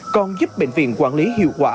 còn giúp bệnh viện quản lý hiệu quả